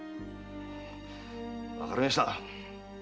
わかりました。